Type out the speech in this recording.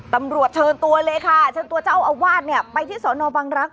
ตำรวจเชิญตัวเลยค่ะเจ้าอาวาสไปที่สนบังรักษณ์